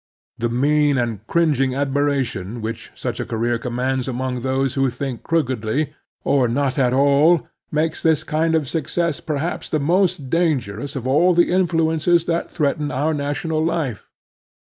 The mean and cringing admiration which such a career commands among those who think crookedly or not at all makes this kind of success perhaps the most dangerous of all the influences that threaten our national life.